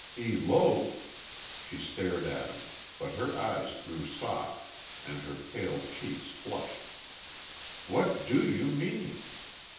"Elope!" she stared at him, but her eyes grew soft and her pale cheeks flushed. "What do you mean?"